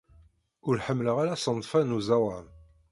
Ur ḥemmleɣ ara ṣṣenf-a n uẓawan.